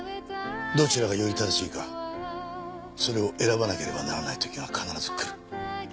どちらがより正しいかそれを選ばなければならない時が必ずくる。